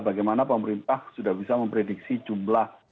bagaimana pemerintah sudah bisa memprediksi jumlah